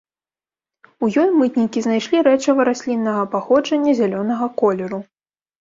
У ёй мытнікі знайшлі рэчыва расліннага паходжання зялёнага колеру.